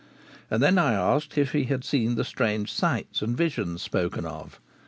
And then I asked if he had seen the strange sights and visions spoken of.